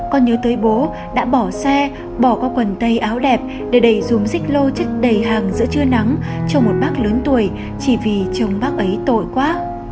con nhớ tới bố đã bỏ xe bỏ qua quần tay áo đẹp để đầy dùng xích lô chất đầy hàng giữa trưa nắng cho một bác lớn tuổi chỉ vì chồng bác ấy tội quá